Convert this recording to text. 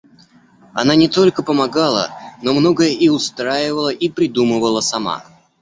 Она не только помогала, но многое и устраивала и придумывала сама.